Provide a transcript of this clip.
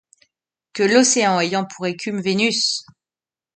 Que l’océan ayant pour écume Vénus !